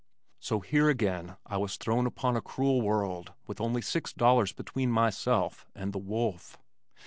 So here again I was thrown upon a cruel world with only six dollars between myself and the wolf.